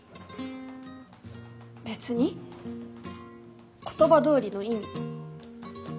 別に言葉どおりの意味。